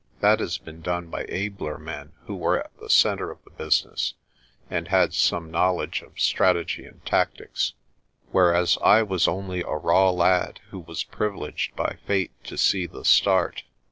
That has been done by abler men who were at the centre of the business, and had some knowledge of strategy and tactics j whereas I was only a raw lad who was privileged by fate to see the start.